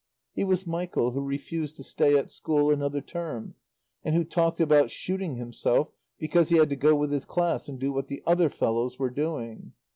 He was Michael who refused to stay at school another term, and who talked about shooting himself because he had to go with his class and do what the other fellows were doing.